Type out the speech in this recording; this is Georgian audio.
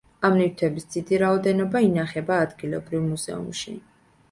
ამ ნივთების დიდი რაოდენობა ინახება ადგილობრივ მუზეუმში.